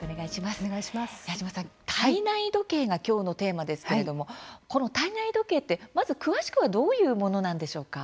矢島さん体内時計が今日のテーマですけれどもこの体内時計ってまず詳しくはどういうものなんでしょうか。